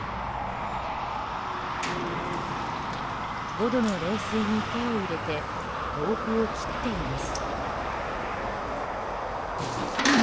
５度の冷水に手を入れて豆腐を切っています。